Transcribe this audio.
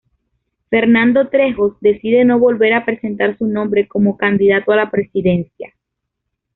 Fernando Trejos decide no volver a presentar su nombre como candidato a la presidencia.